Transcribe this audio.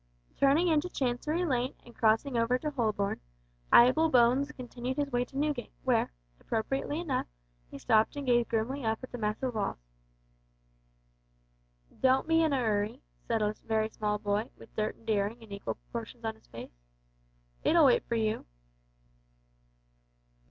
Turning into Chancery Lane, and crossing over to Holborn, Abel Bones continued his way to Newgate, where, appropriately enough, he stopped and gazed grimly up at the massive walls. "Don't be in a 'urry," said a very small boy, with dirt and daring in equal proportions on his face, "it'll wait for you."